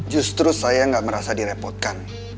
justru saya nggak merasa direpotkan